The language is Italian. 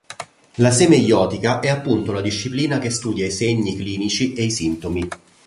La semeiotica è appunto la disciplina che studia i segni clinici e i sintomi.